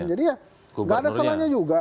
jadi ya enggak ada salahnya juga